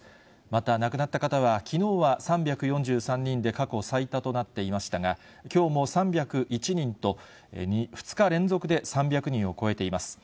また、亡くなった方はきのうは３４３人で過去最多となっていましたが、きょうも３０１人と、２日連続で３００人を超えています。